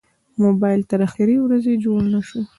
موبایل تر اخرې ورځې جوړ نه شو.